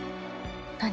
何？